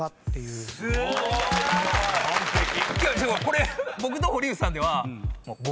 これ僕と堀内さんでは。